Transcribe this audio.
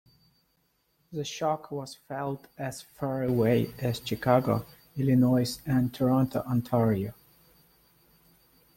The shock was felt as far away as Chicago, Illinois, and Toronto, Ontario.